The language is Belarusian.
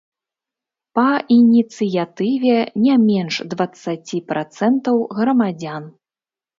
Па ініцыятыве не менш дваццаці працэнтаў грамадзян.